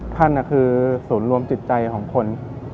ท่านคือสูรรวมจิตใจของคน